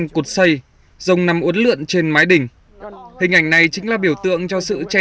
một cụt xây dòng nằm uốn lượn trên mái đình hình ảnh này chính là biểu tượng cho sự che